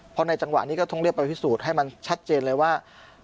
เพราะในจังหวะนี้ก็ต้องเรียกไปพิสูจน์ให้มันชัดเจนเลยว่า